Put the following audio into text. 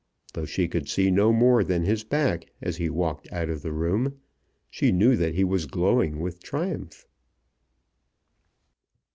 Though she could see no more than his back as he walked out of the room, she knew that he was glowing with triumph.